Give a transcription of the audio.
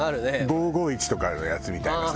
５５１とかのやつみたいなさ。